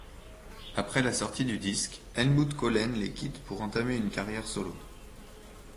Après la sortie du disque, Helmut Köllen les quitte pour entamer une carrière solo.